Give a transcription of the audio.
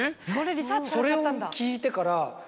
それを聞いてから。